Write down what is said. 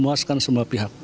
memuaskan semua pihak